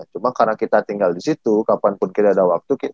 cuma karena kita tinggal disitu kapanpun kita ada waktu